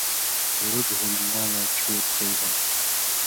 اُڑُد ہِن مالاں ڇھیرچئی ہوں